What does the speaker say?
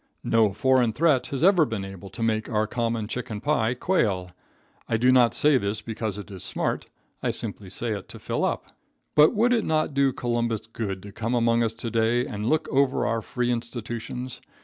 No foreign threat has ever been able to make our common chicken pie quail. I do not say this because it is smart; I simply say it to fill up. But would it not do Columbus good to come among us to day and look over our free institutions?